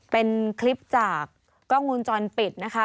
เป็นคลิปจากกล้องวงจรปิดนะคะ